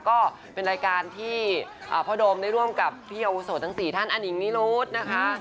ก็เป็นรายการที่พ่อโดมได้ร่วมกับพี่อาวุโสทั้ง๔ท่านอนิงนิรุธนะคะ